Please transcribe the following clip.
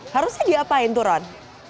harusnya diapain turon